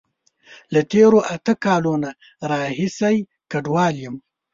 له تیرو اته کالونو راهیسی کډوال یم